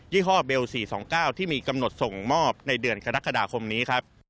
ี่ห้อเบล๔๒๙ที่มีกำหนดส่งมอบในเดือนกรกฎาคมนี้ครับ